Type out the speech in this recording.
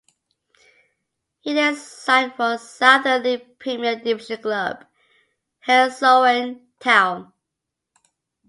He then signed for Southern League Premier Division club Halesowen Town.